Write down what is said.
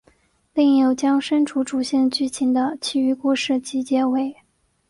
另有将删除主线剧情的其余故事集结为。